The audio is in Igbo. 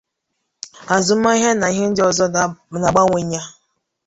azụmahịa na ihe ndị ọzọ na-abawanye